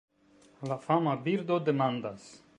La fama birdo demandas: